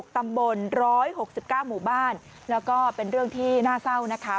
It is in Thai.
ตำบล๑๖๙หมู่บ้านแล้วก็เป็นเรื่องที่น่าเศร้านะคะ